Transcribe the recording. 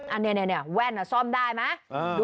อันนี้แว่นซ่อมได้ไหม